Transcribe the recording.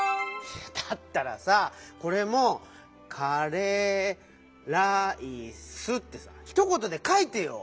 だったらさこれも「カレーライス」ってさひとことでかいてよ！